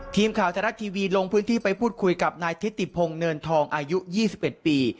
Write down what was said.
ทีมข่าวทรัพย์ทีวีลงพื้นที่ไปพูดคุยกับนายทิศติพงศ์เนินทองอายุยี่สิบเอ็ดปี